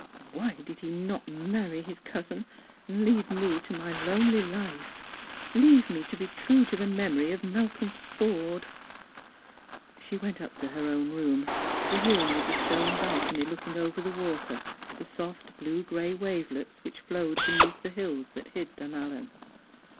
" Why did he not marry his cousin, and leave me to my lonely life, leave me to be true to the memory of Malcolm Forde ?" She went up to her own room, the room with the stone balcony looking over the water, the soft blue gray wavelets which flowed beneath the hills that hid Dunallen.